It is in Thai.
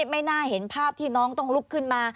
ไม่น่าเห็นภาพที่น้องต้องลุกขึ้นมา